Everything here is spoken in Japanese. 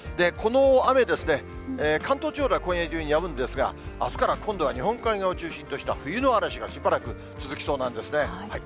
この雨ですね、関東地方では今夜中にやむんですが、あすから今度は日本海側を中心とした冬の嵐がしばらく続きそうなんですね。